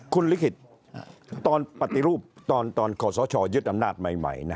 คุณลิขิตตอนปฏิรูปตอนขอสชยึดอำนาจใหม่